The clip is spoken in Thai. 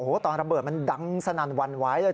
โอ้โฮตอนระเบิดมันดังสนันวรรณไว้เลย